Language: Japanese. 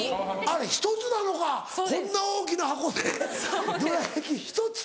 あれ１つなのかこんな大きな箱でどら焼き１つ？